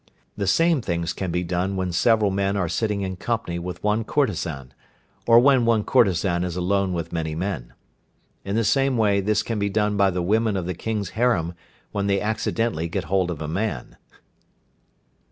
The same things can be done when several men are sitting in company with one courtesan, or when one courtesan is alone with many men. In the same way this can be done by the women of the King's harem when they accidentally get hold of a man.